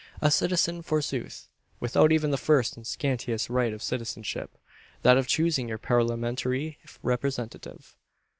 A citizen, forsooth; without even the first and scantiest right of citizenship that of choosing your parliamentary representative.